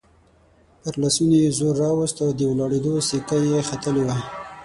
پر لاسونو يې زور راووست، د ولاړېدو سېکه يې ختلې وه.